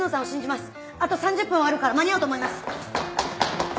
あと３０分はあるから間に合うと思います。